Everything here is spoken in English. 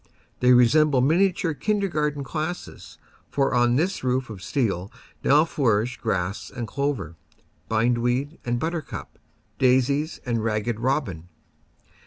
They resemble miniature kindergarten classes, for on this roof of steel now flourish grass and clover, bindweed and buttercup, daisies and Ragged Robin.